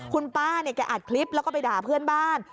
คุณป้าเนี่ยแกอัดคลิปแล้วก็ไปด่าเพื่อนบ้าน